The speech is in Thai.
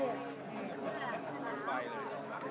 เมื่อเวลาอันดับสุดท้ายเมื่อเวลาอันดับสุดท้าย